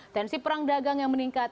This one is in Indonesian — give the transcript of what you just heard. tensi perang dagang yang meningkat